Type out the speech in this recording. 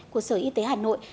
của sở y tế hà nội